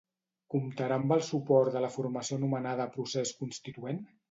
Comptarà amb el suport de la formació anomenada Procés Constituent?